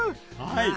はい。